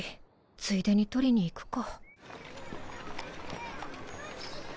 ついでに取りに行くか